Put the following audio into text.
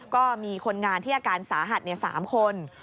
ก็มีคนงานที่อาการสาหัส๓คน